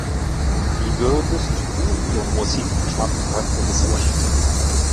Wie würdest du ihren Musikgeschmack charakterisieren?